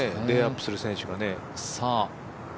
レイアップする選手が。